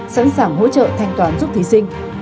sẵn sàng hỗ trợ thanh toán giúp thí sinh